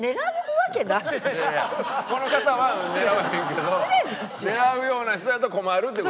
この方は狙わへんけど狙うような人やと困るっていう事。